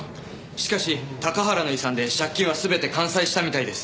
しかし高原の遺産で借金は全て完済したみたいです。